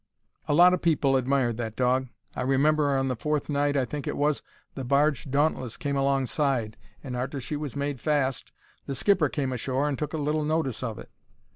A lot o' people admired that dog. I remember, on the fourth night I think it was, the barge Dauntless came alongside, and arter she was made fast the skipper came ashore and took a little notice of it.